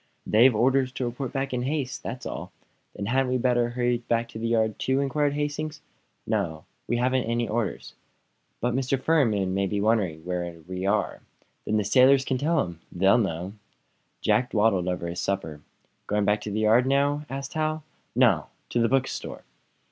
"They've orders to report back in haste. That's all." "Then hadn't we better hurry back to the yard, too?" inquired Hastings. "No; we haven't any orders." "But Mr. Farnum may be wondering where we are." "Then the sailors can tell him; they know." Jack dawdled over his supper. "Going back to the yard now?" asked Hal. "No; to the bookstore."